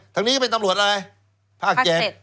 ทางนี้เป็นตำรวจอะไรภาคเจนภาคเจน